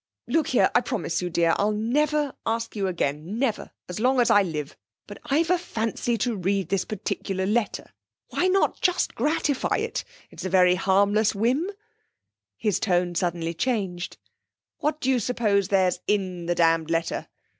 Look here, I promise you, dear, I'll never ask you again, never as long as I live. But I've a fancy to read this particular letter. Why not just gratify it? It's a very harmless whim.' His tone suddenly changed. 'What do you suppose there's in the damned letter?